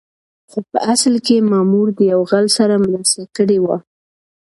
خو په اصل کې مامور د يو غل سره مرسته کړې وه.